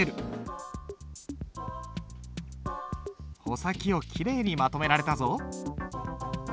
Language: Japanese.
穂先をきれいにまとめられたぞ。